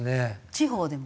地方でも？